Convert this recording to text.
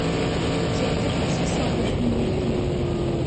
زیاتر لە سی ساڵە ژن و مێردین.